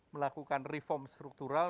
melakukan reform struktural